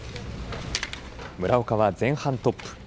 村岡は前半トップ。